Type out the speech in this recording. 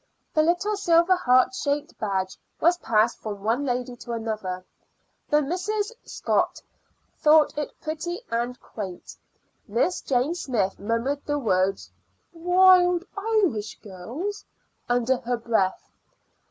The little silver heart shaped badge was passed from one lady to another. The Misses Scott thought it pretty and quaint. Miss Jane Smyth murmured the words "Wild Irish Girls" under her breath.